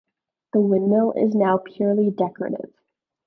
The windmill is now purely decorative.